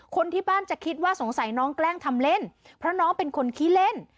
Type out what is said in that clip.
คนที่บ้านจะคิดว่าสงสัยน้องแกล้งทำเล่นเพราะน้องเป็นคนขี้เล่น